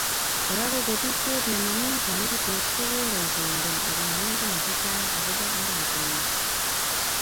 Kora ko ketisiet nemo mi konetisiet kokerei kongen ako moingen chechang agobo oratinwek